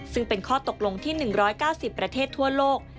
ซึ่งเป็นข้อตกลงที่๑๙๐ประเทศทั่วโลก